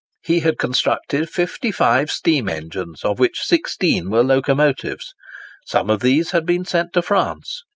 He had constructed fifty five steam engines, of which sixteen were locomotives. Some of these had been sent to France.